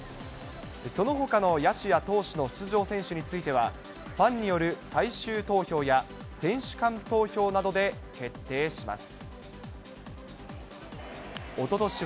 そのほかの野手や投手の出場選手については、ファンによる最終投票や、選手間投票などで決定します。